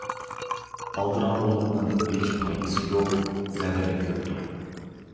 ئالدىراڭغۇلۇقنىڭ ھېچ پايدىسى يوق، زەرىرى كۆپتۇر.